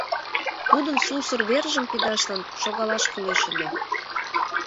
Тудын сусыр вержым пидашлан шогалаш кӱлеш ыле.